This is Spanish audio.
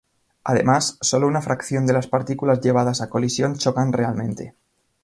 Además, solo una fracción de las partículas llevadas a colisión chocan realmente.